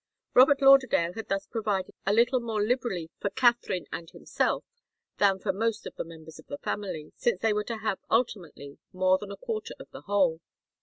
Robert Lauderdale had thus provided a little more liberally for Katharine and himself than for most of the members of the family, since they were to have, ultimately, more than a quarter of the whole.